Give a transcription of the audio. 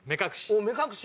おっ目隠し？